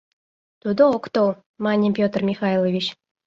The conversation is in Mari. — Тудо ок тол, — мане Петр Михайлович.